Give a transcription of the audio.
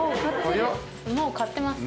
もう買ってます。